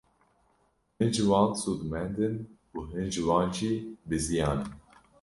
Hin ji wan sûdmend in û hin ji wan jî biziyan in.